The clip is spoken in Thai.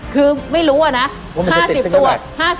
คือไม่รู้นะนะ